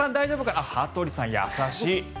あ、羽鳥さん、優しい。